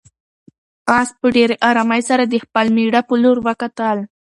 آس په ډېرې آرامۍ سره د خپل مېړه په لور وکتل.